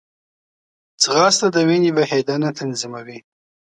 ځغاسته د وینې بهېدنه تنظیموي